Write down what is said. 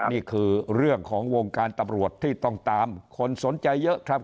นี่คือเรื่องของวงการตำรวจที่ต้องตามคนสนใจเยอะครับ